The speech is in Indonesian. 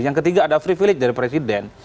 yang ketiga ada privilege dari presiden